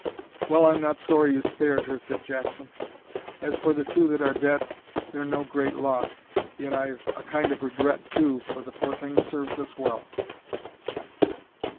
"Well, I'm not sorry you spared her," said Jackson; "as for the two that are dead, they're no great loss yet I've a kind o' regret too, for the poor things served us well."